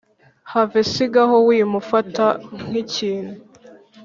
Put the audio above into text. have sigaho wimufata nk’ikintu